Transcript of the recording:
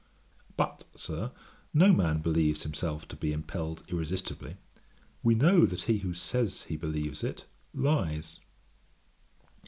But, Sir, no man believes himself to be impelled irresistibly; we know that he who says he believes it, lies.